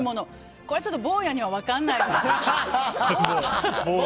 これはちょっと坊やには分からないわ。